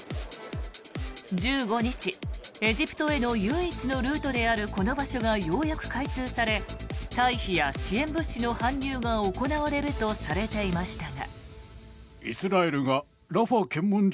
１５日、エジプトへの唯一のルートであるこの場所がようやく開通され退避や支援物資の搬入が行われるとされていましたが。